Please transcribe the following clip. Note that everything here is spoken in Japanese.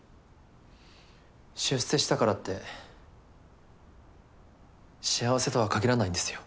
出世したからって幸せとは限らないんですよ。